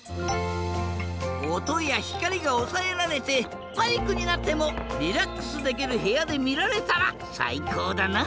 おとやひかりがおさえられてパニックになってもリラックスできるへやでみられたらさいこうだな。